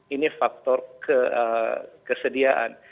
ini faktor kesediaan